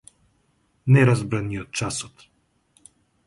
Не разбра ни од часот.